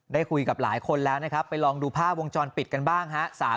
ได้คุยกับหลายคนแล้วนะครับไปลองดูภาพวงจรปิดกันบ้างฮะ